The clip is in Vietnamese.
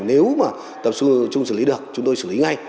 nếu mà tập trung xử lý được chúng tôi xử lý ngay